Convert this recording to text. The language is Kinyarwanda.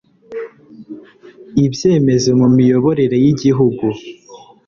ibyemezo mu miyoborere y'igihugu